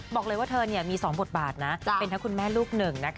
บอกเลยว่าเธอเองมี๒บทมีคุณแม่ลูก๑ลูก๑